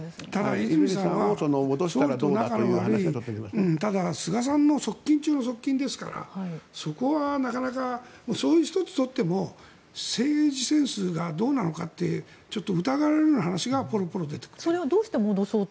和泉さんは菅さんの側近中の側近ですからそこはなかなかそれを一つとっても政治センスがどうなのかちょっと疑われるような話が出てくる。